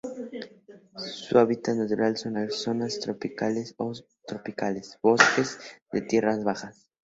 Su hábitat natural son: zonas subtropicales o tropicales, bosques de tierras bajas.